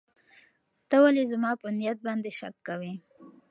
ته ولې زما په نیت باندې شک کوې؟